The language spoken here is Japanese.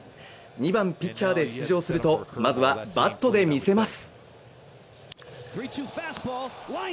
２番ピッチャーで出場すると、まずはバットで見せます。